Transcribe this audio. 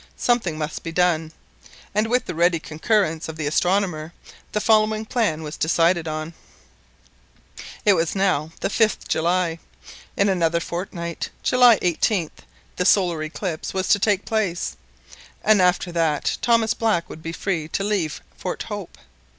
Something must be done, and with the ready concurrence of the astronomer the following plan was decided on. It was now the 5th July. In another fortnight July 18th the solar eclipse was to take place, and after that Thomas Black would be free to leave Fort Hope.